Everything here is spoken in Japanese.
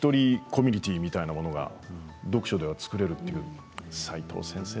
コミュニティーみたいなものが読書では作れる齋藤先生